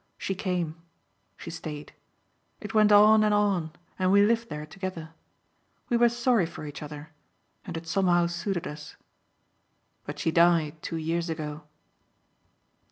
She came, she stayed; it went on and on and we lived there together. We were sorry for each other and it somehow suited us. But she died two years ago."